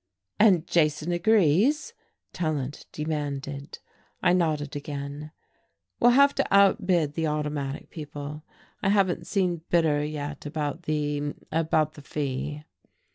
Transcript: "And Jason agrees?" Tallant demanded. I nodded again. "We'll have to outbid the Automatic people. I haven't seen Bitter yet about the about the fee."